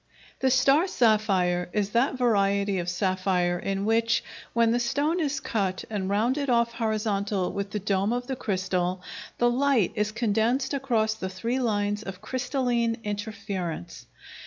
The star sapphire is that variety of sapphire in which, when the stone is cut and rounded off horizontal with the dome of the crystal, the light is condensed across the three lines of crystalline interference.